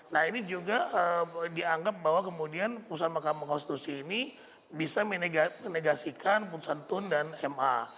nah ini juga dianggap bahwa kemudian putusan mahkamah konstitusi ini bisa menegasikan putusan tun dan ma